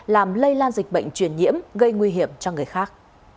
làm lây lan dịch bệnh truyền nhiễm gây nguy hiểm cho người khác